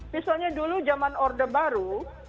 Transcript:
misalnya dulu zaman orde baru